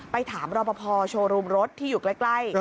ไปถามรับประพอบ์โชว์รูมรถที่อยู่ใกล้